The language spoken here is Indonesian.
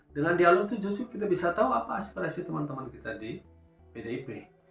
dengan dialog itu justru kita bisa tahu apa aspirasi teman teman kita di pdip